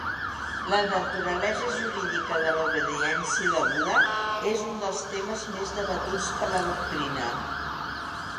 La naturalesa jurídica de l'obediència deguda és un dels temes més debatuts per la doctrina.